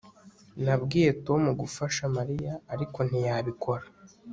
Nabwiye Tom gufasha Mariya ariko ntiyabikora